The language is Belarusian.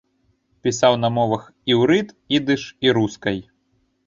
Пісаў на мовах іўрыт, ідыш і рускай.